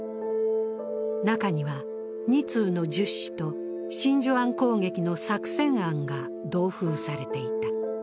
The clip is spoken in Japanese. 中には２通の「述志」と真珠湾攻撃の作戦案が同封されていた。